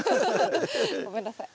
ごめんなさい。